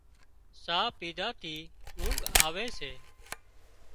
ساهَه پيڌا ٿي اونگھ آوي سي